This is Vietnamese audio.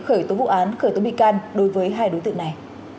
khởi tố vụ án khởi tố bị can đối với hai đối tượng này